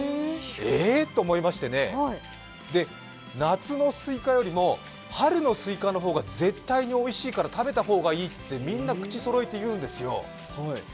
えっと思いましてね、夏のすいかよりも春のすいかの方が絶対においしいから食べた方がいいってみんな口そろえて言うんですよ。